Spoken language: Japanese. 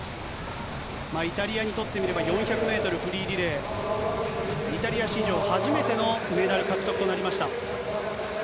イタリアにとってみれば４００メートルフリーリレー、イタリア史上初めてのメダル獲得となりました。